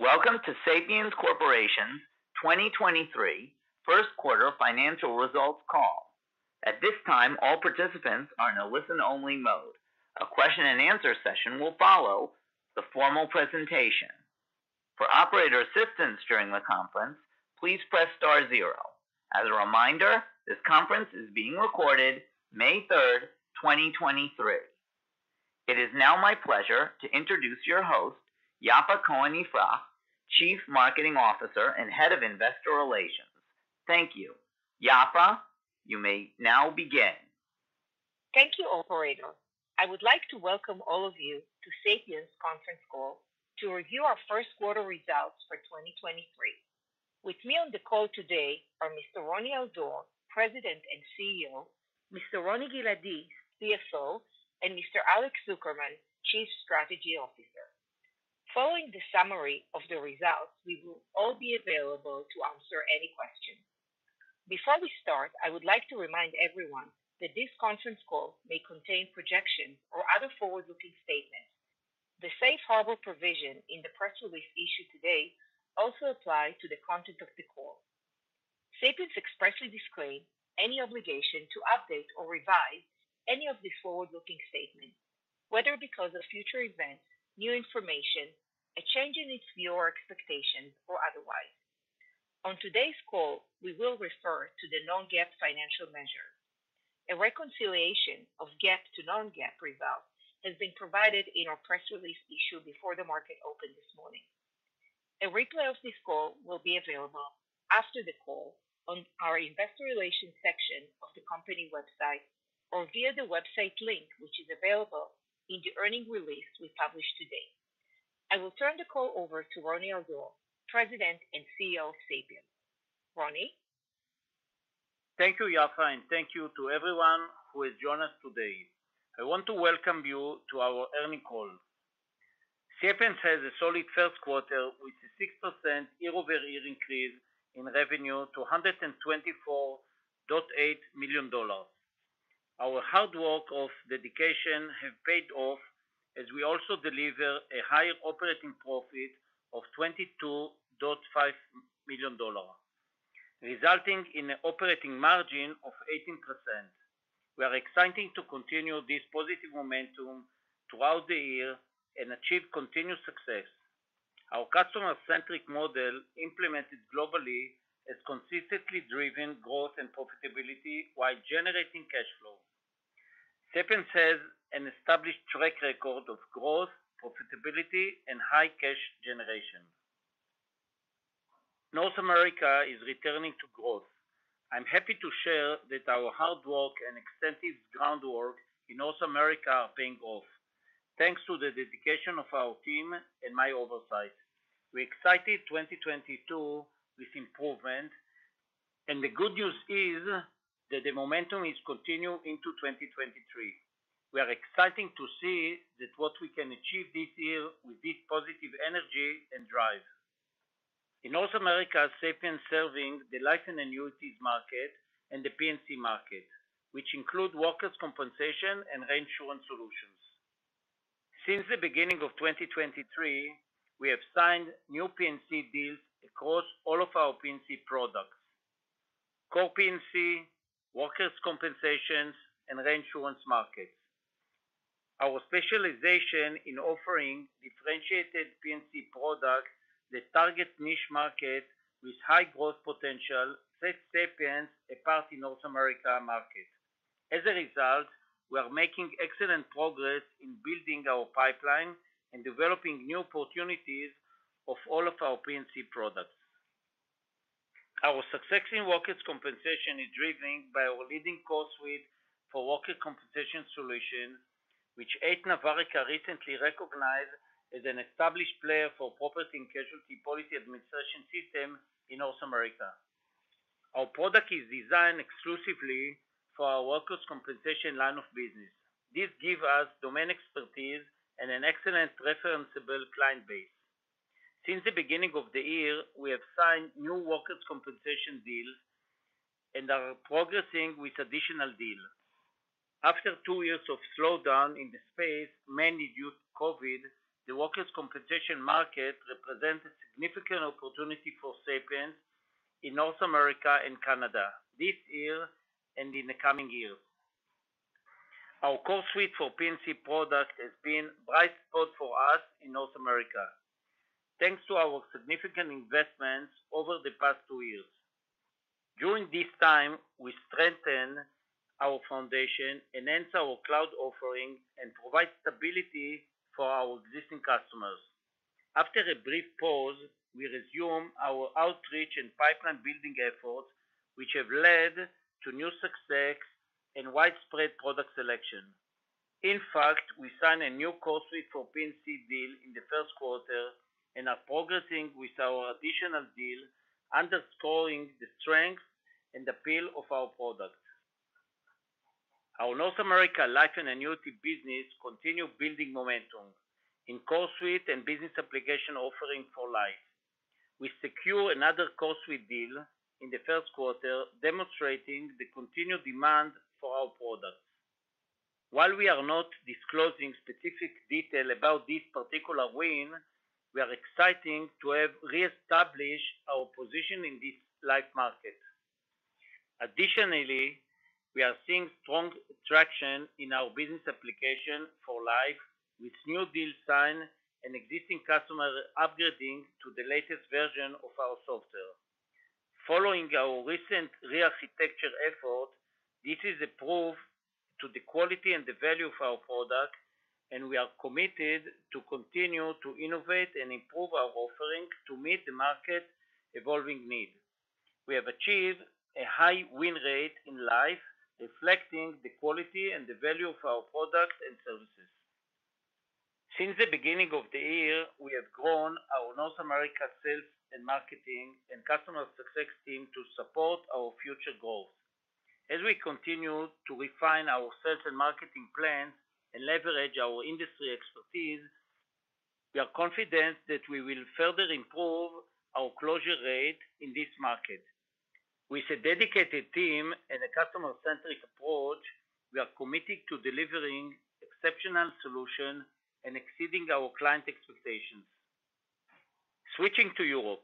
Welcome to Sapiens Corporation 2023 first quarter financial results call. At this time, all participants are in a listen-only mode. A question and answer session will follow the formal presentation. For operator assistance during the conference, please press star zero. As a reminder, this conference is being recorded May 3rd, 2023. It is now my pleasure to introduce your host, Yaffa Cohen-Ifrah, Chief Marketing Officer and Head of Investor Relations. Thank you. Yaffa, you may now begin. Thank you, operator. I would like to welcome all of you to Sapiens conference call to review our first quarter results for 2023. With me on the call today are Mr. Roni Al-Dor, President and CEO, Mr. Roni Giladi, CFO, and Mr. Alex Zukerman, Chief Strategy Officer. Following the summary of the results, we will all be available to answer any questions. Before we start, I would like to remind everyone that this conference call may contain projections or other forward-looking statements. The safe harbor provision in the press release issued today also apply to the content of the call. Sapiens expressly disclaim any obligation to update or revise any of the forward-looking statements, whether because of future events, new information, a change in its view or expectations, or otherwise. On today's call, we will refer to the non-GAAP financial measure. A reconciliation of GAAP to non-GAAP results has been provided in our press release issued before the market opened this morning. A replay of this call will be available after the call on our investor relations section of the company website or via the website link, which is available in the earning release we published today. I will turn the call over to Roni Al-Dor, President and CEO of Sapiens. Roni? Thank you, Yaffa, and thank you to everyone who has joined us today. I want to welcome you to our earnings call. Sapiens has a solid first quarter with a 6% year-over-year increase in revenue to $124.8 million. Our hard work of dedication have paid off as we also deliver a higher operating profit of $22.5 million, resulting in an operating margin of 18%. We are exciting to continue this positive momentum throughout the year and achieve continuous success. Our customer-centric model implemented globally has consistently driven growth and profitability while generating cash flow. Sapiens has an established track record of growth, profitability, and high cash generation. North America is returning to growth. I'm happy to share that our hard work and extensive groundwork in North America are paying off. Thanks to the dedication of our team and my oversight. We exited 2022 with improvement. The good news is that the momentum is continue into 2023. We are exciting to see that what we can achieve this year with this positive energy and drive. In North America, Sapiens serving the life and annuities market and the P&C market, which include workers' compensation and reinsurance solutions. Since the beginning of 2023, we have signed new P&C deals across all of our P&C products, co-P&C, workers' compensations, and reinsurance markets. Our specialization in offering differentiated P&C product that targets niche market with high growth potential sets Sapiens apart in North America market. As a result, we are making excellent progress in building our pipeline and developing new opportunities of all of our P&C products. Our success in workers' compensation is driven by our leading CoreSuite for Workers' Compensation solution, which Aite-Novarica recently recognized as an established player for P&C policy administration system in North America. Our product is designed exclusively for our workers' compensation line of business. This give us domain expertise and an excellent referenceable client base. Since the beginning of the year, we have signed new workers' compensation deals and are progressing with additional deals. After two years of slowdown in the space, mainly due to COVID, the workers' compensation market represents a significant opportunity for Sapiens in North America and Canada this year and in the coming years. Our CoreSuite for P&C product has been bright spot for us in North America, thanks to our significant investments over the past two years. During this time, we strengthen our foundation, enhance our cloud offering, and provide stability for our existing customers. After a brief pause, we resume our outreach and pipeline building efforts, which have led to new success and widespread product selection. In fact, we sign a new CoreSuite for P&C deal in the first quarter and are progressing with our additional deal, underscoring the strength and appeal of our product. Our North America life and annuity business continue building momentum in CoreSuite and business application offering for life. We secure another CoreSuite deal in the first quarter, demonstrating the continued demand for our product. While we are not disclosing specific detail about this particular win, we are exciting to have reestablished our position in this life market. Additionally, we are seeing strong traction in our business application for life, with new deals signed and existing customers upgrading to the latest version of our software. Following our recent re-architecture effort, this is a proof to the quality and the value of our product. We are committed to continue to innovate and improve our offering to meet the market evolving need. We have achieved a high win rate in life, reflecting the quality and the value of our products and services. Since the beginning of the year, we have grown our North America sales and marketing and customer success team to support our future growth. As we continue to refine our sales and marketing plan and leverage our industry expertise, we are confident that we will further improve our closure rate in this market. With a dedicated team and a customer-centric approach, we are committed to delivering exceptional solution and exceeding our client expectations. Switching to Europe.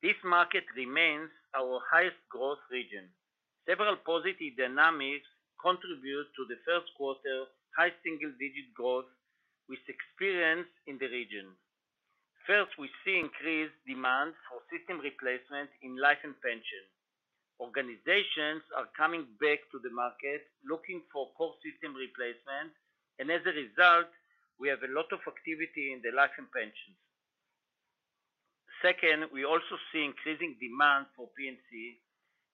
This market remains our highest growth region. Several positive dynamics contribute to the first quarter high single-digit growth we experience in the region. First, we see increased demand for system replacement in life and pension. Organizations are coming back to the market looking for core system replacement, and as a result, we have a lot of activity in the life and pensions. Second, we also see increasing demand for P&C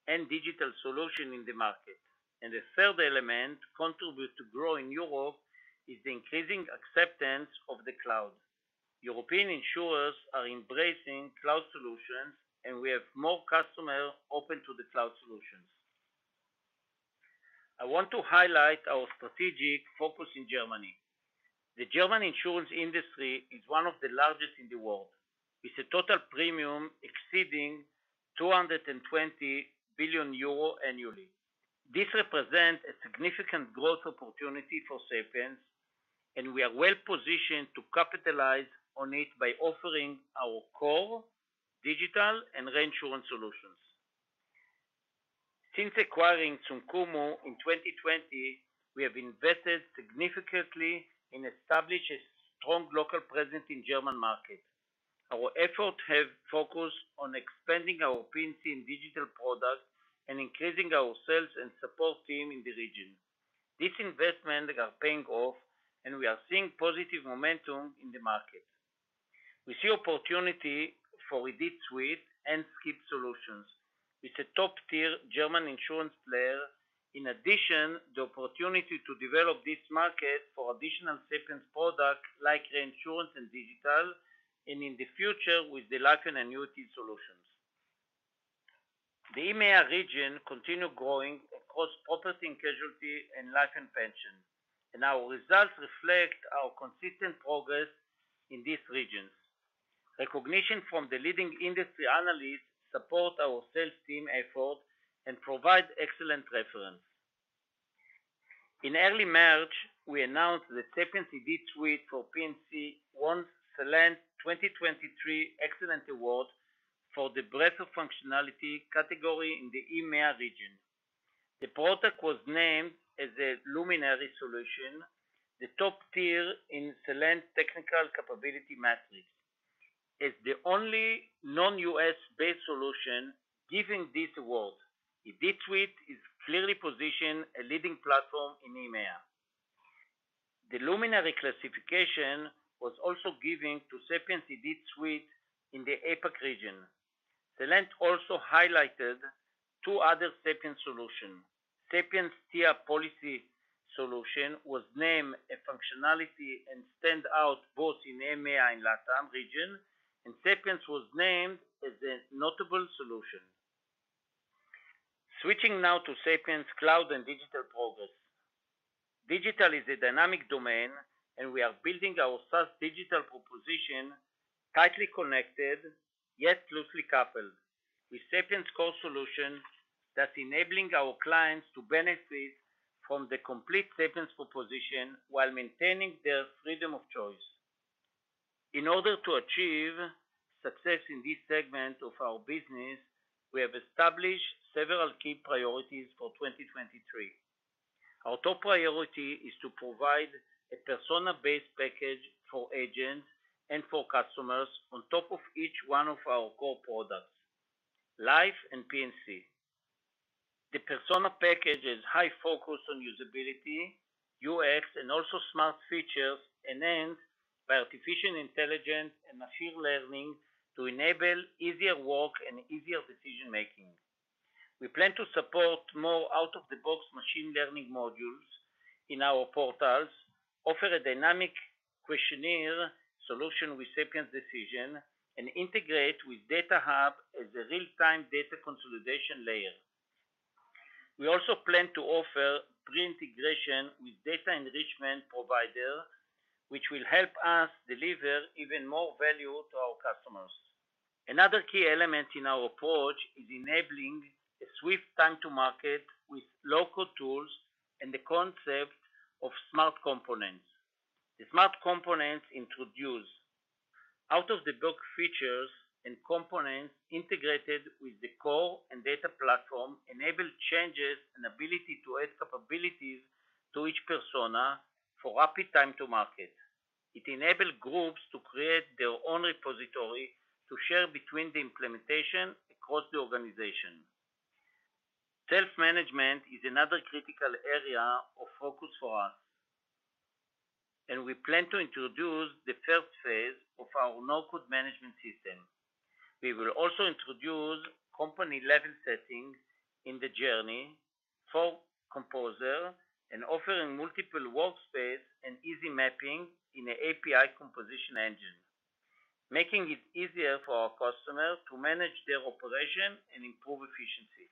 and digital solution in the market. The third element contribute to grow in Europe is the increasing acceptance of the cloud. European insurers are embracing cloud solutions, and we have more customers open to the cloud solutions. I want to highlight our strategic focus in Germany. The German insurance industry is one of the largest in the world, with a total premium exceeding 220 billion euro annually. This represents a significant growth opportunity for Sapiens, we are well-positioned to capitalize on it by offering our core digital and reinsurance solutions. Since acquiring sum.cumo in 2020, we have invested significantly in establishing strong local presence in German market. Our efforts have focused on expanding our P&C and digital products and increasing our sales and support team in the region. These investments are paying off, we are seeing positive momentum in the market. We see opportunity for IDITSuite and Skip solutions with a top-tier German insurance player. In addition, the opportunity to develop this market for additional Sapiens product like reinsurance and digital, in the future, with the life and annuity solutions. The EMEA region continue growing across processing casualty and life and pension. Our results reflect our consistent progress in these regions. Recognition from the leading industry analysts support our sales team effort and provide excellent reference. In early March, we announced that Sapiens IDITSuite for P&C won Celent 2023 XCelent Award for the breadth of functionality category in the EMEA region. The product was named as a Luminary solution, the top tier in Celent Technical Capability Matrix. As the only non US based solution given this award, IDITSuite is clearly positioned a leading platform in EMEA. The Luminary classification was also given to Sapiens IDITSuite in the APAC region. Celent also highlighted two other Sapiens solution. Sapiens Tia Policy Solutions was named a functionality and stand out both in EMEA and LATAM region, and Sapiens was named as a notable solution. Switching now to Sapiens cloud and digital progress. Digital is a dynamic domain, we are building our SaaS digital proposition tightly connected, yet loosely coupled with Sapiens core solution that's enabling our clients to benefit from the complete Sapiens proposition while maintaining their freedom of choice. In order to achieve success in this segment of our business, we have established several key priorities for 2023. Our top priority is to provide a persona-based package for agents and for customers on top of each one of our core products, Life and P&C. The persona package is high focused on usability, UX, and also smart features, enhanced by artificial intelligence and machine learning to enable easier work and easier decision-making. We plan to support more out-of-the-box machine learning modules in our portals, offer a dynamic questionnaire solution with Sapiens Decision, and integrate with DataHub as a real-time data consolidation layer. We also plan to offer pre-integration with data enrichment provider, which will help us deliver even more value to our customers. Another key element in our approach is enabling a swift time to market with local tools and the concept of smart components. The smart components introduce out-of-the-box features and components integrated with the core and data platform, enable changes and ability to add capabilities to each persona for rapid time to market. It enable groups to create their own repository to share between the implementation across the organization. Self-management is another critical area of focus for us, and we plan to introduce the first phase of our no-code management system. We will also introduce company-level settings in the journey for Composer and offering multiple workspace and easy mapping in a API composition engine, making it easier for our customers to manage their operation and improve efficiency.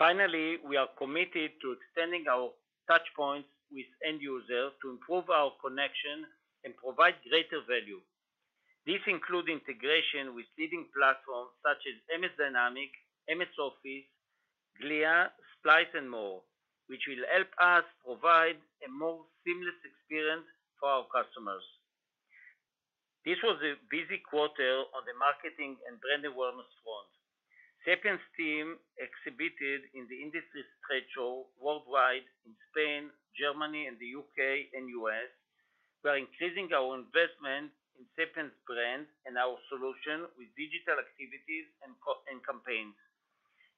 Finally, we are committed to extending our touchpoints with end users to improve our connection and provide greater value. This include integration with leading platforms such as MS Dynamics, MS Office, Glia, SPLICE and more, which will help us provide a more seamless experience for our customers. This was a busy quarter on the marketing and brand awareness front. Sapiens team exhibited in the industry trade show worldwide in Spain, Germany and the U.K. and U.S. We are increasing our investment in Sapiens brand and our solution with digital activities and campaigns.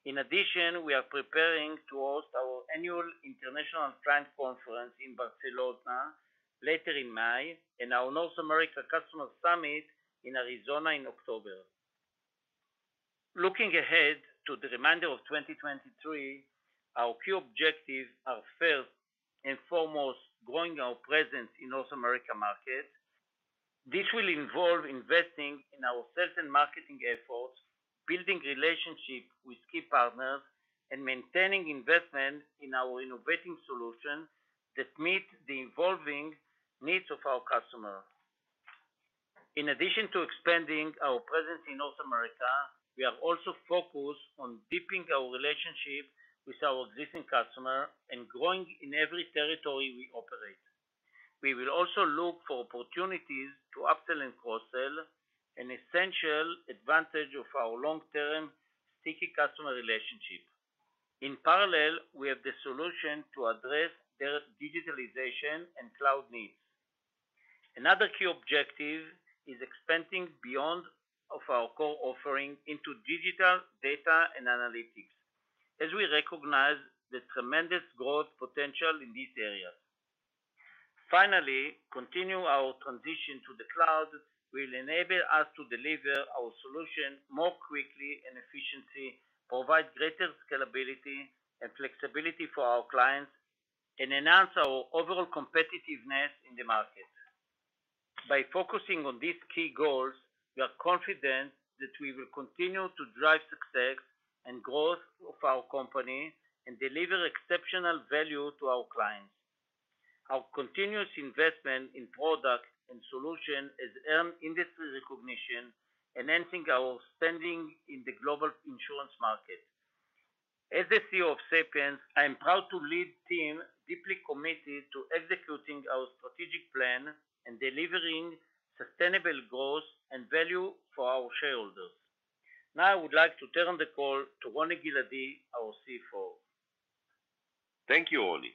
In addition, we are preparing to host our annual International Clients Conference in Barcelona later in May, and our North America Customer Summit in Arizona in October. Looking ahead to the remainder of 2023, our key objectives are, first and foremost, growing our presence in North America market. This will involve investing in our sales and marketing efforts, building relationship with key partners, and maintaining investment in our innovating solution that meet the evolving needs of our customer. In addition to expanding our presence in North America, we are also focused on deepening our relationship with our existing customer and growing in every territory we operate. We will also look for opportunities to upsell and cross-sell, an essential advantage of our long-term sticky customer relationship. In parallel, we have the solution to address their digitalization and cloud needs. Another key objective is expanding beyond of our core offering into digital data and analytics, as we recognize the tremendous growth potential in these areas. Finally, continue our transition to the cloud will enable us to deliver our solution more quickly and efficiency, provide greater scalability and flexibility for our clients, and enhance our overall competitiveness in the market. By focusing on these key goals, we are confident that we will continue to drive success and growth of our company and deliver exceptional value to our clients. Our continuous investment in product and solution has earned industry recognition, enhancing our standing in the global insurance market. As the CEO of Sapiens, I am proud to lead team deeply committed to executing our strategic plan and delivering sustainable growth and value for our shareholders. Now, I would like to turn the call to Roni Giladi, our CFO. Thank you, Roni.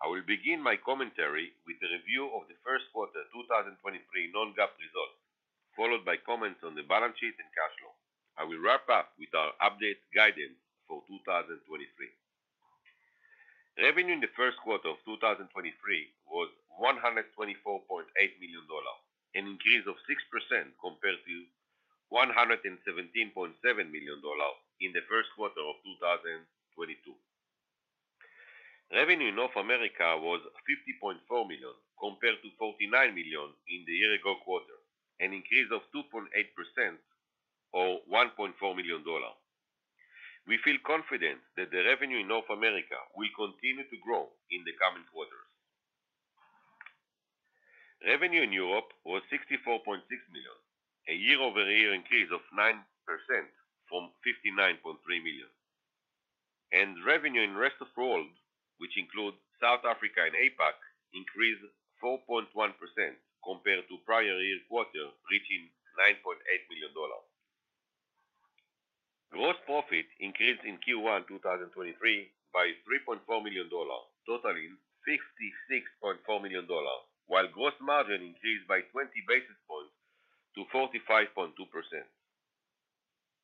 I will begin my commentary with the review of the first quarter, 2023 non-GAAP results, followed by comments on the balance sheet and cash flow. I will wrap up with our update guidance for 2023. Revenue in the first quarter of 2023 was $124.8 million, an increase of 6% compared to $117.7 million in the first quarter of 2022. Revenue in North America was $50.4 million compared to $49 million in the year-ago quarter, an increase of 2.8% or $1.4 million. We feel confident that the revenue in North America will continue to grow in the coming quarters. Revenue in Europe was $64.6 million, a year-over-year increase of 9% from $59.3 million. Revenue in rest of world, which include South Africa and APAC, increased 4.1% compared to prior year quarter, reaching $9.8 million. Gross profit increased in Q1 2023 by $3.4 million, totaling $56.4 million, while gross margin increased by 20 basis points to 45.2%.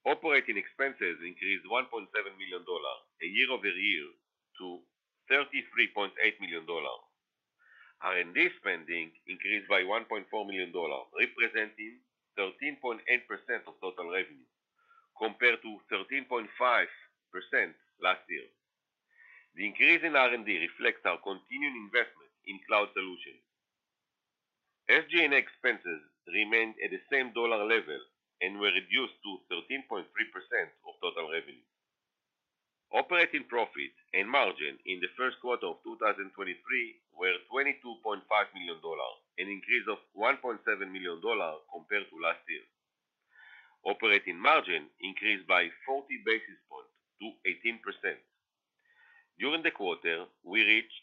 Operating expenses increased $1.7 million, a year-over-year to $33.8 million. R&D spending increased by $1.4 million, representing 13.8% of total revenue compared to 13.5% last year. The increase in R&D reflects our continuing investment in cloud solutions. SG&A expenses remained at the same dollar level and were reduced to 13.3% of total revenue. Operating profit and margin in the first quarter of 2023 were $22.5 million, an increase of $1.7 million compared to last year. Operating margin increased by 40 basis points to 18%. During the quarter, we reached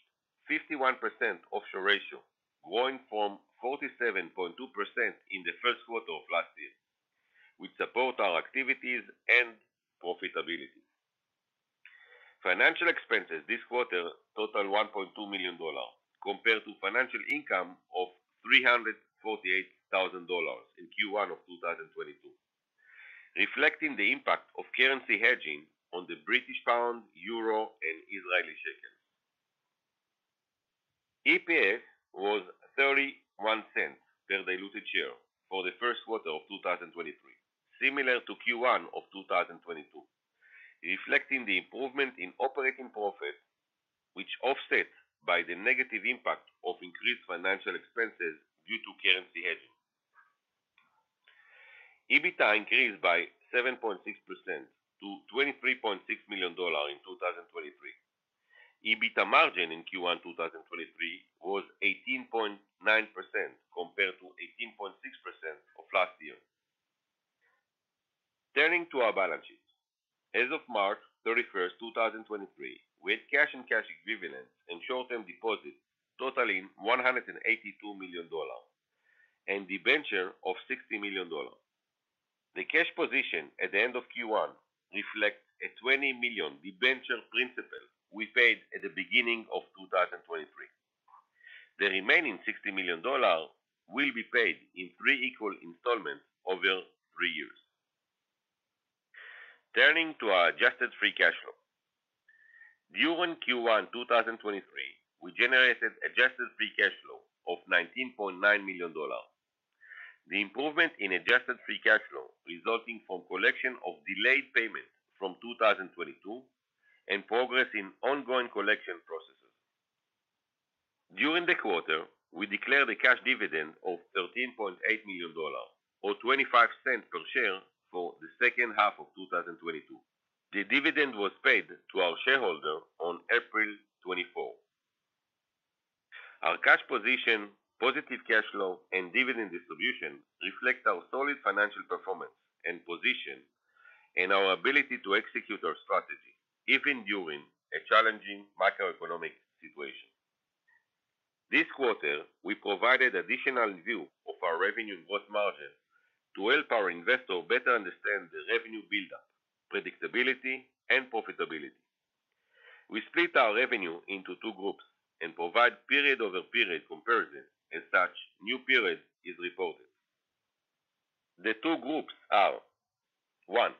51% offshore ratio, growing from 47.2% in the first quarter of last year, which support our activities and profitability. Financial expenses this quarter totaled $1.2 million compared to financial income of $348,000 in Q1 of 2022, reflecting the impact of currency hedging on the British pound, euro, and Israeli shekel. EPS was $0.31 per diluted share for the first quarter of 2023, similar to Q1 of 2022, reflecting the improvement in operating profit, which offset by the negative impact of increased financial expenses due to currency hedging. EBITA increased by 7.6% to $23.6 million in 2023. EBITA margin in Q1 2023 was 18.9% compared to 18.6% of last year. Turning to our balance sheet. As of March 31st, 2023, we had cash and cash equivalents and short-term deposits totaling $182 million and debenture of $60 million. The cash position at the end of Q1 reflects a $20 million debenture principal we paid at the beginning of 2023. The remaining $60 million will be paid in three equal installments over three years. Turning to our adjusted free cash flow. During Q1 2023, we generated adjusted free cash flow of $19.9 million. The improvement in adjusted free cash flow resulting from collection of delayed payments from 2022 and progress in ongoing collection processes. During the quarter, we declared a cash dividend of $13.8 million or $0.25 per share for the second half of 2022. The dividend was paid to our shareholder on April 24th. Our cash position, positive cash flow, and dividend distribution reflects our solid financial performance and position and our ability to execute our strategy even during a challenging macroeconomic situation. This quarter, we provided additional view of our revenue gross margin to help our investor better understand the revenue buildup, predictability, and profitability. We split our revenue into two groups and provide period-over-period comparison as such new period is reported. The two groups are, one,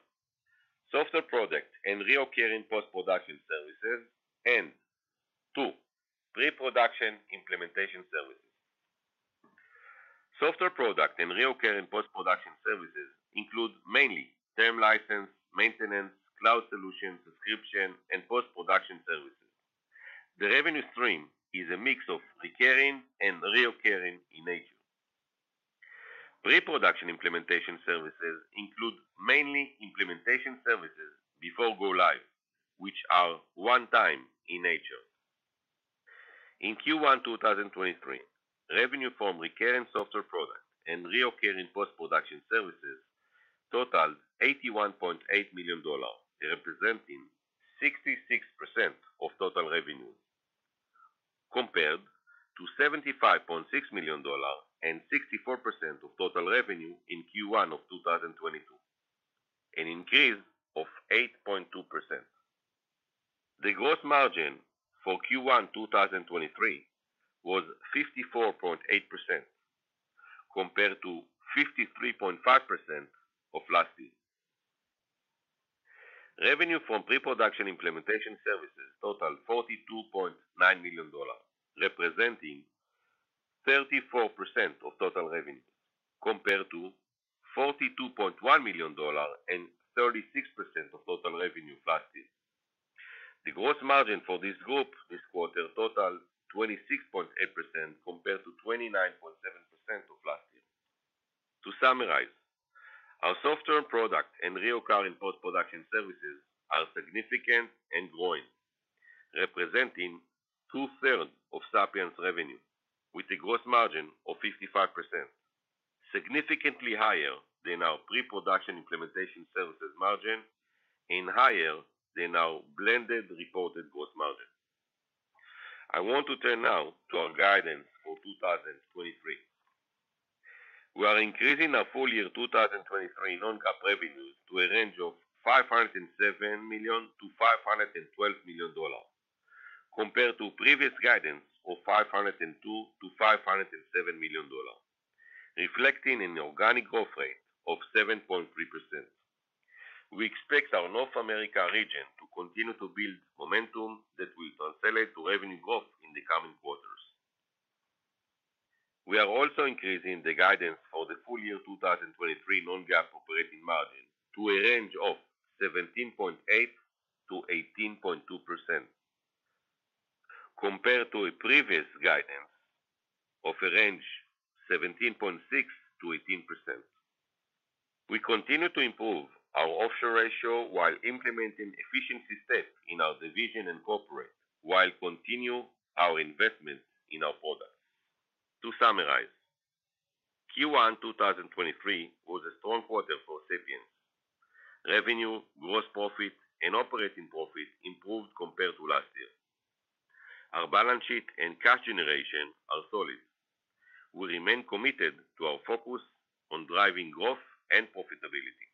software product and reoccurring post-production services and, two, pre-production implementation services. Software product and reoccurring post-production services include mainly term license, maintenance, cloud solution, subscription, and post-production services. The revenue stream is a mix of recurring and reoccurring in nature. Pre-production implementation services include mainly implementation services before go live, which are one time in nature. In Q1 2023, revenue from recurring software product and reoccurring post-production services totals $81.8 million, representing 66% of total revenue compared to $75.6 million and 64% of total revenue in Q1 of 2022, an increase of 8.2%. The gross margin for Q1 2023 was 54.8% compared to 53.5% of last year. Revenue from pre-production implementation services totaled $42.9 million, representing 34% of total revenue compared to $42.1 million and 36% of total revenue last year. The gross margin for this group this quarter totaled 26.8% compared to 29.7% of last year. To summarize, our software product and reoccurring post-production services are significant and growing, representing two-thirds of Sapiens' revenue with a gross margin of 55%, significantly higher than our pre-production implementation services margin and higher than our blended reported gross margin. I want to turn now to our guidance for 2023. We are increasing our full year 2023 non-GAAP revenues to a range of $507 million-$512 million compared to previous guidance of $502 million-$507 million, reflecting an organic growth rate of 7.3%. We expect our North America region to continue to build momentum that will translate to revenue growth in the coming quarters. We are also increasing the guidance for the full year 2023 non-GAAP operating margin to a range of 17.8%-18.2%. Compared to a previous guidance of a range 17.6%-18%. We continue to improve our offshore ratio while implementing efficiency steps in our division and corporate, while continue our investment in our products. To summarize, Q1 2023 was a strong quarter for Sapiens. Revenue, gross profit and operating profit improved compared to last year. Our balance sheet and cash generation are solid. We remain committed to our focus on driving growth and profitability.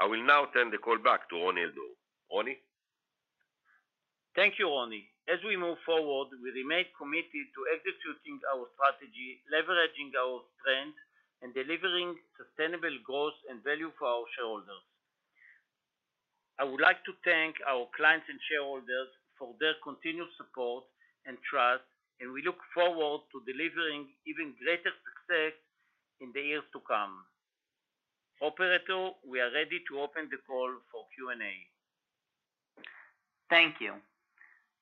I will now turn the call back to Roni Al-Dor. Roni? Thank you, Roni. As we move forward, we remain committed to executing our strategy, leveraging our strengths, and delivering sustainable growth and value for our shareholders. I would like to thank our clients and shareholders for their continued support and trust, and we look forward to delivering even greater success in the years to come. Operator, we are ready to open the call for Q&A. Thank you.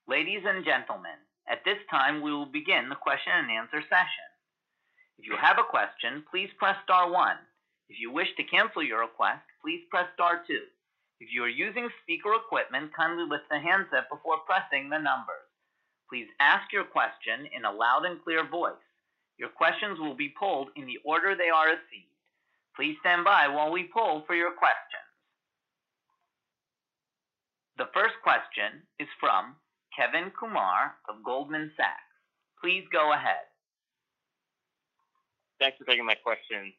Ladies and gentlemen, at this time, we will begin the question and answer session. If you have a question, please press star one. If you wish to cancel your request, please press star two. If you are using speaker equipment, kindly lift the handset before pressing the numbers. Please ask your question in a loud and clear voice. Your questions will be polled in the order they are received. Please stand by while we poll for your questions. The first question is from Kevin Kumar of Goldman Sachs. Please go ahead. Thanks for taking my question.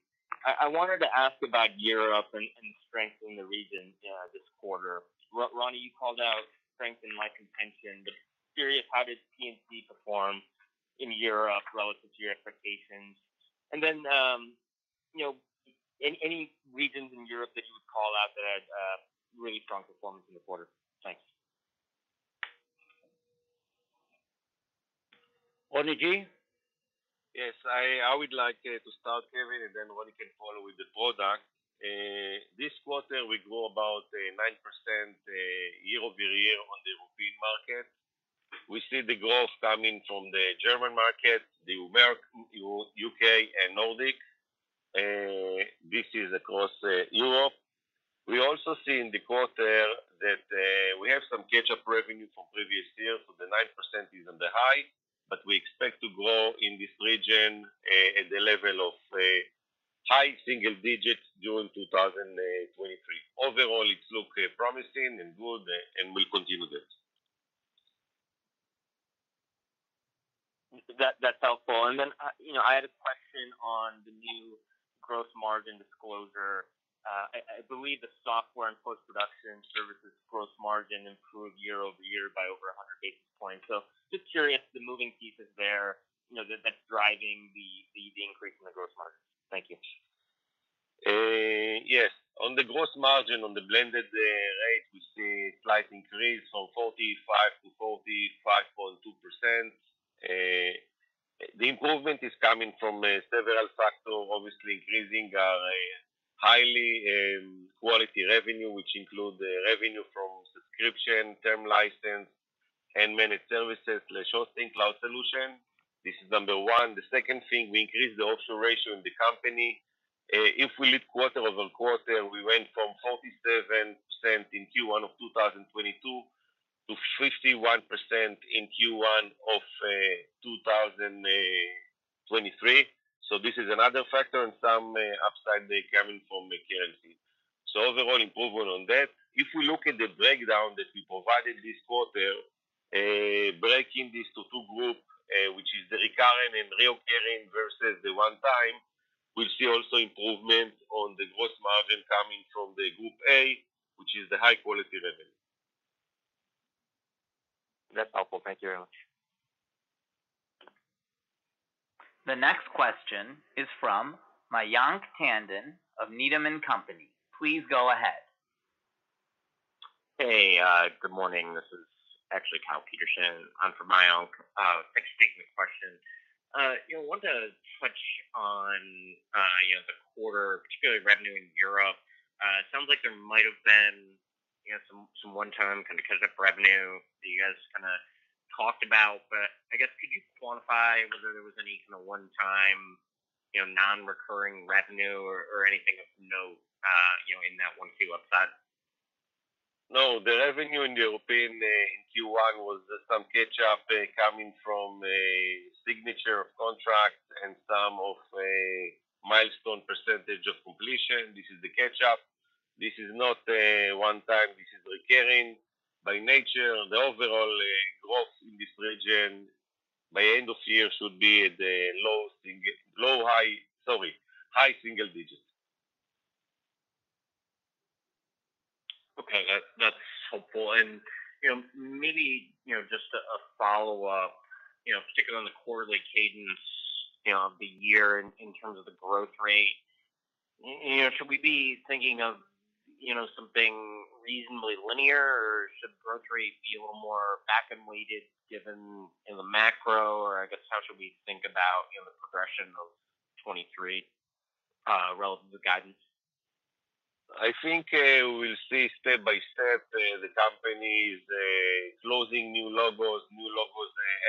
I wanted to ask about Europe and strength in the region, this quarter. Roni, you called out strength in license pension, but curious, how did P&C perform in Europe relative to your expectations? You know, any regions in Europe that you would call out that had really strong performance in the quarter? Thanks. Roni G? Yes. I would like to start, Kevin, and then Roni can follow with the product. This quarter, we grow about 9% year-over-year on the European market. We see the growth coming from the German market, the U.K. and Nordic. This is across Europe. We also see in the quarter that we have some catch-up revenue from previous years. The 9% is on the high, but we expect to grow in this region at the level of high single digits during 2023. Overall, it look promising and good and will continue this. That's helpful. You know, I had a question on the new gross margin disclosure. I believe the software and post-production services gross margin improved year-over-year by over 100 basis points. Just curious, the moving pieces there, you know, that's driving the increase in the gross margin. Thank you. Yes. On the gross margin, on the blended rate, we see slight increase from 45 to 45.2%. The improvement is coming from several factors, obviously increasing our highly quality revenue, which include the revenue from subscription, term license, and managed services, let's say hosting cloud solution. This is one. The second thing, we increased the offshore ratio in the company. If we look quarter-over-quarter, we went from 47% in Q1 of 2022 to 51% in Q1 of 2023. This is another factor and some upside coming from the KMC. Overall improvement on that. We look at the breakdown that we provided this quarter, breaking this to two group, which is the recurring and reoccurring versus the one-time, we see also improvement on the gross margin coming from the Group A, which is the high quality revenue. That's helpful. Thank you very much. The next question is from Mayank Tandon of Needham & Company. Please go ahead. Hey, good morning. This is actually Kyle Peterson. I'm from Mayank, thanks for taking the question. You know, wanted to touch on, you know, the quarter, particularly revenue in Europe. It sounds like there might have been, you know, some one-time kinda catch-up revenue that you guys kinda talked about. I guess could you quantify whether there was any kinda one-time, you know, non-recurring revenue or anything of note, you know, in that 1Q upside? The revenue in the European in Q1 was just some catch-up coming from a signature of contract and some of a milestone percentage of completion. This is the catch-up. This is not one time. This is recurring by nature. The overall growth in this region by end of year should be at high single digits. Okay. That's helpful. You know, maybe, you know, just a follow-up, you know, particularly on the quarterly cadence, you know, of the year in terms of the growth rate. You know, should we be thinking of, you know, something reasonably linear, or should growth rate be a little more back-ended weighted given in the macro? I guess, how should we think about, you know, the progression of 23 relative to guidance? I think, we'll see step by step, the companies, closing new logos,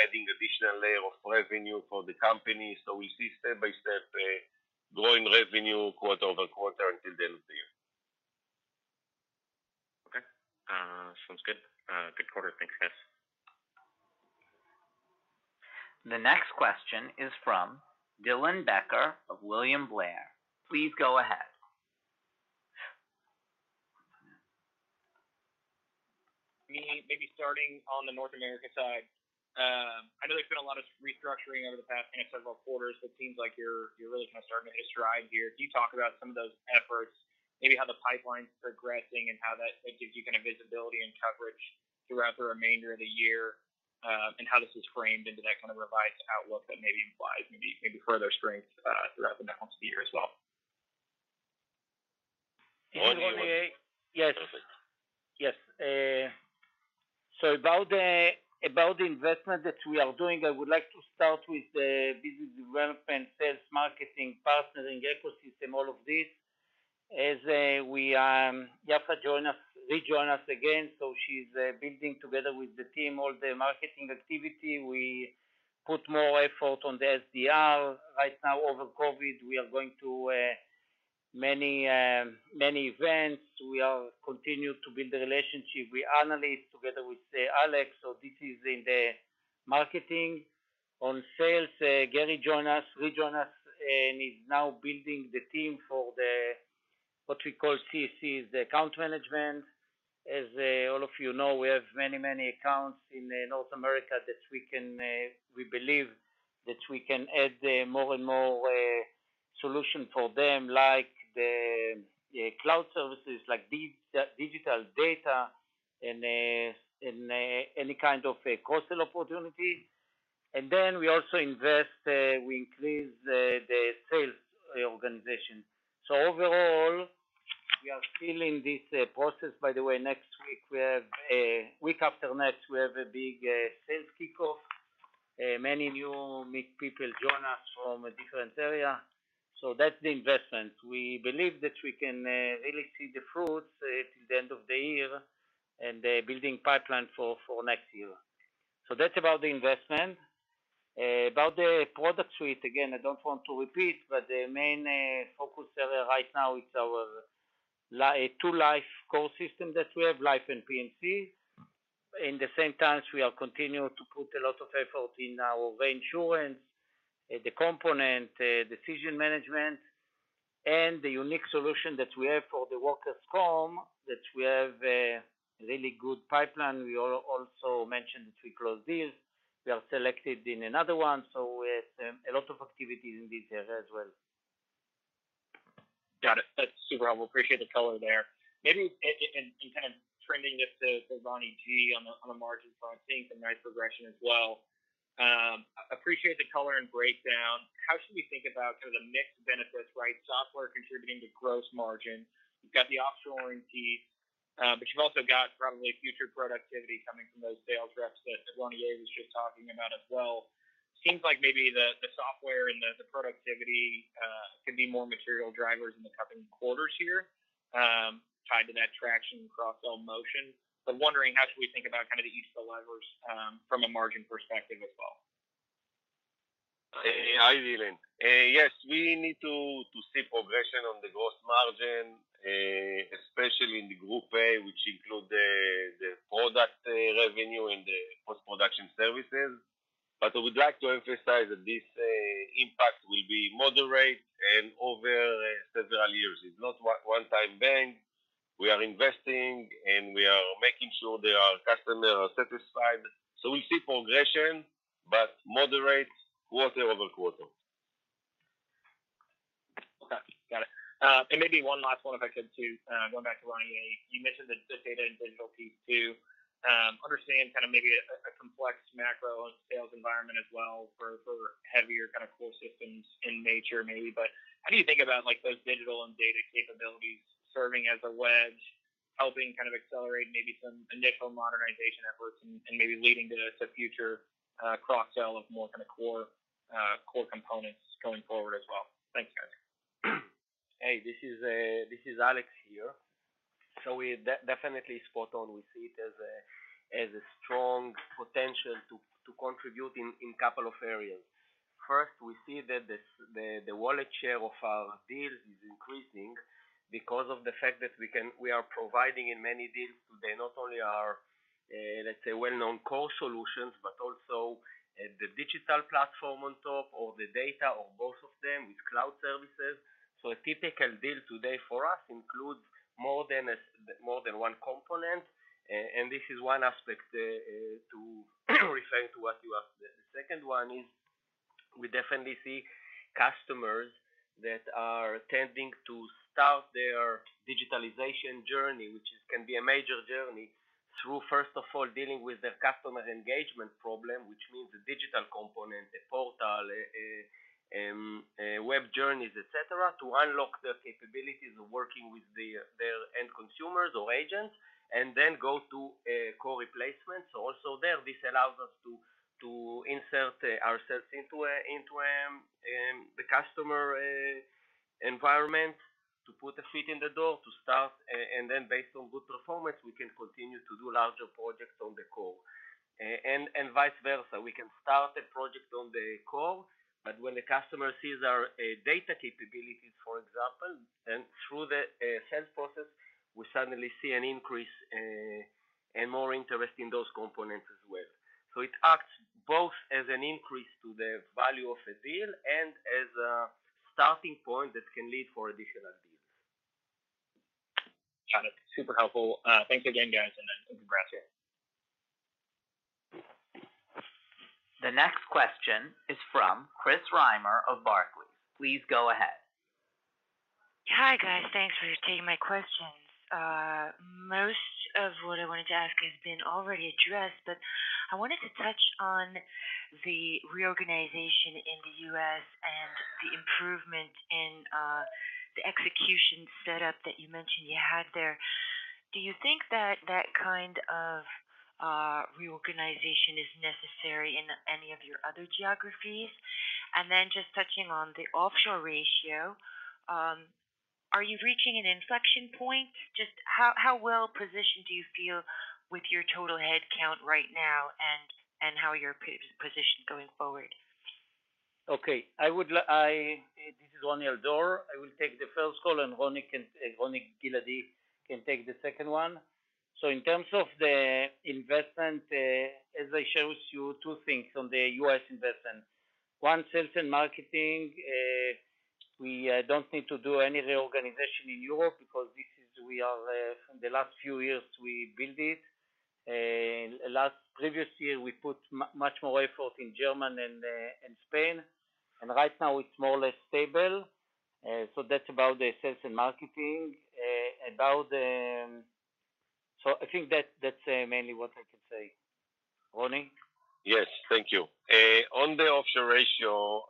adding additional layer of revenue for the company. We see step by step a growing revenue quarter-over-quarter until the end of the year. Okay. sounds good. good quarter. Thanks, guys. The next question is from Dylan Becker of William Blair. Please go ahead. Me maybe starting on the North America side. I know there's been a lot of restructuring over the past several quarters, seems like you're really kind of starting to hit stride here. Can you talk about some of those efforts, maybe how the pipeline's progressing and how that gives you kind of visibility and coverage throughout the remainder of the year, and how this is framed into that kind of revised outlook that maybe implies further strength, throughout the balance of the year as well? Ron, do you... Yes. Yes. About the investment that we are doing, I would like to start with the business development, sales, marketing, partnering, ecosystem, all of this. As Yaffa rejoin us again, so she's building together with the team all the marketing activity. We put more effort on the SDR. Right now over COVID, we are going to many events. We are continue to build the relationship. We analyze together with Alex, so this is in the marketing. On sales, Gary rejoin us, and is now building the team for what we call CC, is the account management. As all of you know, we have many accounts in North America that we can, we believe that we can add more and more solution for them, like the cloud services, like digital data and any kind of a cross-sell opportunity. We also invest, we increase the sales organization. Overall, we are still in this process. Next week we have week after next, we have a big sales kickoff. Many new meet people join us from a different area, that's the investment. We believe that we can really see the fruits till the end of the year and the building pipeline for next year. That's about the investment. About the product suite, again, I don't want to repeat, but the main focus area right now is our two life core system that we have, life and P&C. In the same times, we are continuing to put a lot of effort in our reinsurance, the component, decision management, and the unique solution that we have for the Workers' Comp, that we have a really good pipeline. We also mentioned that we closed deals. We are selected in another one, so we have a lot of activities in this area as well. Got it. That's super helpful. Appreciate the color there. Maybe and kind of trending just to Roni G on the margin front, seeing some nice progression as well. Appreciate the color and breakdown. How should we think about kind of the mixed benefits, right? Software contributing to gross margin. You've got the optional warranty, but you've also got probably future productivity coming from those sales reps that Roni A was just talking about as well. Seems like maybe the software and the productivity can be more material drivers in the coming quarters here, tied to that traction cross-sell motion. I'm wondering how should we think about kind of the East levers from a margin perspective as well? Hi, Dylan. Yes, we need to see progression on the gross margin, especially in the group A, which include the product revenue and the post-production services. I would like to emphasize that this impact will be moderate and over several years. It's not one time bang. We are investing, and we are making sure that our customer are satisfied. We see progression, but moderate quarter-over-quarter. Okay. Got it. Maybe one last one if I could too, going back to Ronny A. You mentioned the data and digital piece too. Understand kind of maybe a complex macro sales environment as well for heavier kind of core systems in nature maybe, but how do you think about, like, those digital and data capabilities serving as a wedge, helping kind of accelerate maybe some initial modernization efforts and maybe leading to a future, cross-sell of more kinda core components going forward as well? Thank you, guys. Hey, this is Alex here. We definitely spot on. We see it as a strong potential to contribute in couple of areas. First, we see that the wallet share of our deals is increasing because of the fact that we are providing in many deals today, not only our, let's say well-known core solutions, but also the digital platform on top or the data or both of them with cloud services. A typical deal today for us includes more than one component. This is one aspect to refer to what you asked there. The second one is we definitely see customers that are tending to start their digitalization journey, which is can be a major journey, through, first of all, dealing with their customer engagement problem, which means the digital component, the portal, web journeys, et cetera, to unlock the capabilities of working with their end consumers or agents, and then go to a core replacement. Also there, this allows us to insert ourselves into a, into the customer environment to put the feet in the door to start, and then based on good performance, we can continue to do larger projects on the core. Vice versa. We can start a project on the core, when the customer sees our data capabilities, for example, then through the sales process, we suddenly see an increase, and more interest in those components as well. It acts both as an increase to the value of the deal and as a starting point that can lead for additional deals. Got it. Super helpful. Thanks again, guys, and congrats. The next question is from Chris Reimer of Barclays. Please go ahead. Hi, guys. Thanks for taking my questions. Most of what I wanted to ask has been already addressed, but I wanted to touch on the reorganization in the U.S. and the improvement in the execution setup that you mentioned you had there. Do you think that that kind of reorganization is necessary in any of your other geographies? Just touching on the offshore ratio, are you reaching an inflection point? Just how well-positioned do you feel with your total head count right now and how you're positioned going forward? Okay. This is Roni Al-Dor. I will take the first call and Roni Giladi can take the second one. In terms of the investment, as I showed you two things on the US investment. One, sales and marketing. We don't need to do any reorganization in Europe because we are from the last few years, we build it. Previous year, we put much more effort in German and Spain. Right now it's more or less stable. That's about the sales and marketing. I think that's mainly what I can say. Roni? Yes. Thank you. on the offshore ratio,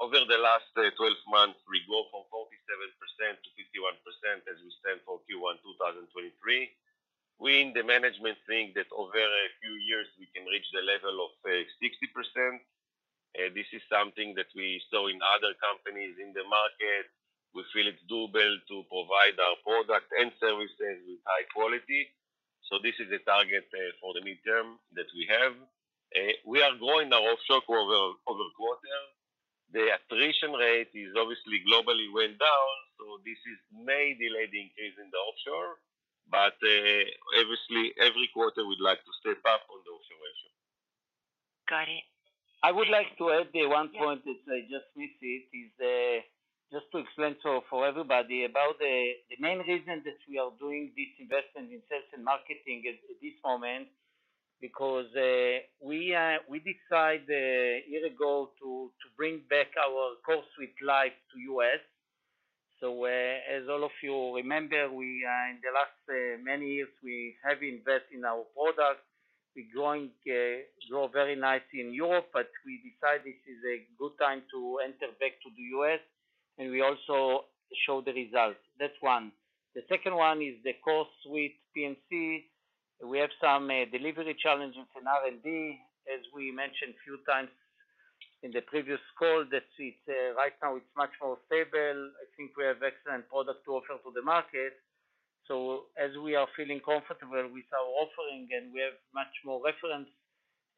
over the last, 12 months, we go from 47% to 51% as we stand for Q1 2023. We in the management think that over a few years, we can reach the level of, 60%. This is something that we saw in other companies in the market. We feel it's doable to provide our product and services with high quality. This is the target, for the midterm that we have. We are growing our offshore over quarter. The attrition rate is obviously globally went down, so this is may delay the increase in the offshore. Obviously, every quarter we'd like to step up on the offshore ratio. Got it. I would like to add point that I just missed it, is, just to explain to everybody about the main reason that we are doing this investment in sales and marketing at this moment, because we decide a year ago to bring back our CoreSuite life to U.S. As all of you remember, we in the last many years, we have invest in our product. We grow very nicely in Europe, but we decide this is a good time to enter back to the U.S., and we also show the results. That's one. The second one is the CoreSuite P&C. We have some delivery challenges in R&D. As we mentioned a few times in the previous call, that it's right now it's much more stable. I think we have excellent product to offer to the market. As we are feeling comfortable with our offering and we have much more reference,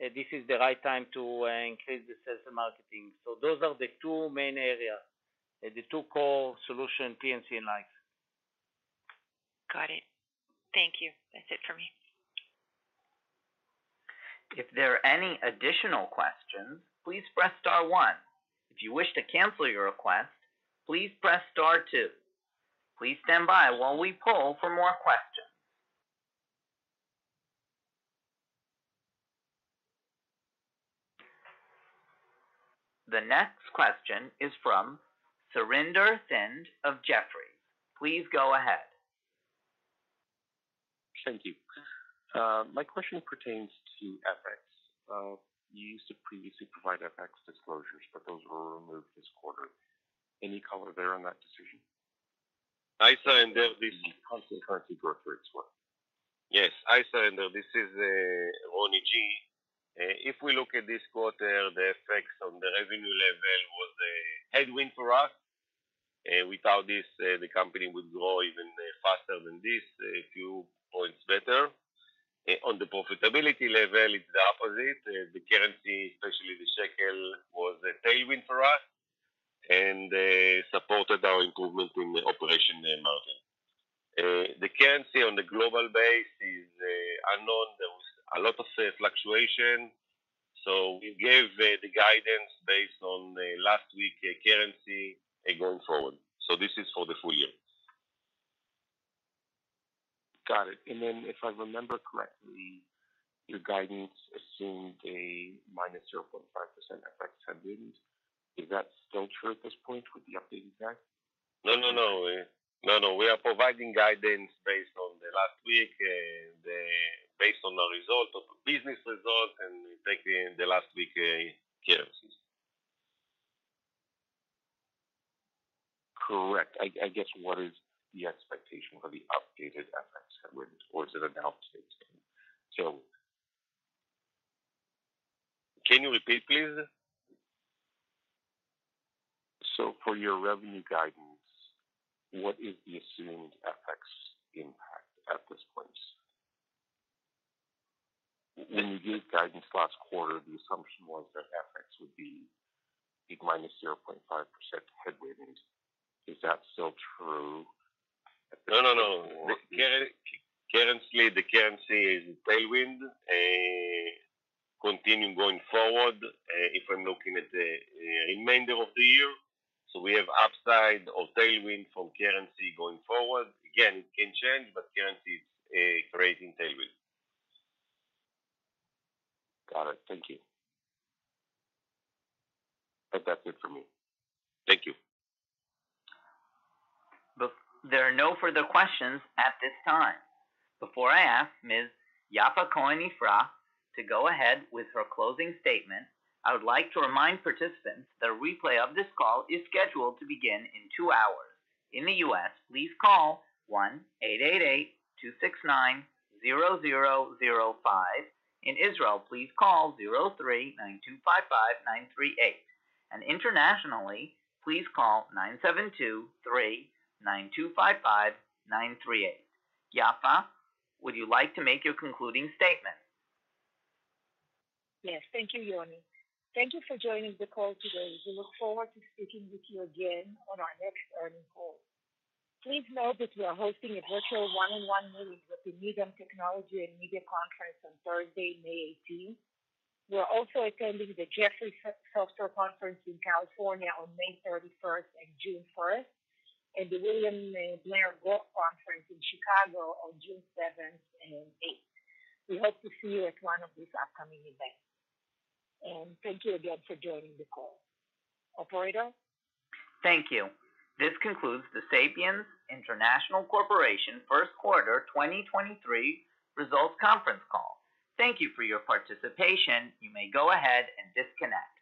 this is the right time to increase the sales and marketing. Those are the two main areas, the two core solution, P&C and life. Got it. Thank you. That's it for me. If there are any additional questions, please press star one. If you wish to cancel your request, please press star two. Please stand by while we poll for more questions. The next question is from Surinder Thind of Jefferies. Please go ahead. Thank you. My question pertains to FX. You used to previously provide FX disclosures, those were removed this quarter. Any color there on that decision? Hi, Surinder. Currency for Q1. Yes. Hi, Surinder. This is Roni G. If we look at this quarter, the effects on the revenue level was a headwind for us. Without this, the company would grow even faster than this, a few points better. On the profitability level, it's the opposite. The currency, especially the shekel, was a tailwind for us and supported our improvement in the operation margin. The currency on the global base is unknown. There was a lot of fluctuation. We gave the guidance based on the last week currency going forward. This is for the full year. Got it. Then if I remember correctly, your guidance assumed a -0.5% FX headwind. Is that still true at this point with the updated guide? No, no. No, no. We are providing guidance based on the last week, based on the result of the business results. We take in the last week, here. Correct. I guess what is the expectation for the updated FX headwind, or is it announced it? Can you repeat, please? For your revenue guidance, what is the assumed FX impact at this point? When you gave guidance last quarter, the assumption was that FX would be minus 0.5% headwind. Is that still true at this point? No, no. The currency is tailwind, continuing going forward, if I'm looking at the remainder of the year. We have upside or tailwind from currency going forward. Again, it can change, but currency is a creating tailwind. Got it. Thank you. That's it for me. Thank you. There are no further questions at this time. Before I ask Ms. Yaffa Cohen-Ifrah to go ahead with her closing statement, I would like to remind participants that a replay of this call is scheduled to begin in two hours. In the U.S., please call 1-888-269-0005. In Israel, please call 03-925-5938. Internationally, please call 972-3-925-5938. Yaffa, would you like to make your concluding statement? Yes. Thank you, Yoni. Thank you for joining the call today. We look forward to speaking with you again on our next earnings call. Please note that we are hosting a virtual one-on-one meeting with the Needham Technology & Media Conference on Thursday, May 18th. We are also attending the Jefferies Software Conference in California on May 31st and June 1st, and the William Blair Growth Stock Conference in Chicago on June seventh and eighth. We hope to see you at one of these upcoming events. Thank you again for joining the call. Operator? Thank you. This concludes the Sapiens International Corporation first quarter 2023 results conference call. Thank you for your participation. You may go ahead and disconnect.